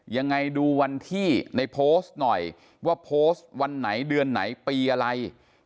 ยังไงดูวันที่ในโพสต์หน่อยว่าโพสต์วันไหนเดือนไหนปีอะไร